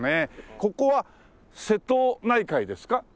ここは瀬戸内海ですか？